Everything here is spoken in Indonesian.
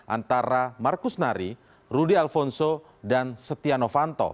antara markus nari rudy alfonso dan setia novanto